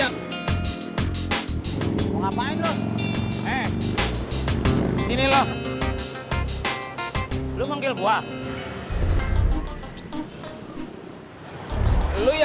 gua sering punya gak mau ya